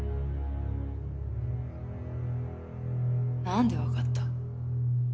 何で分かった？